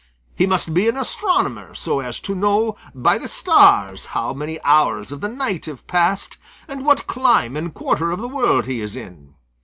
He must be an astronomer, so as to know by the stars how many hours of the night have passed, and what clime and quarter of the world he is in.